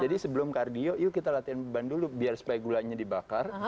sebelum kardio yuk kita latihan beban dulu biar supaya gulanya dibakar